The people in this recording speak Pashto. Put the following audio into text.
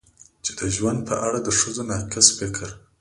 چې د ژوند په اړه د ښځو ناقص فکر